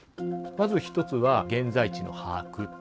まず一つは現在地の把握といいます。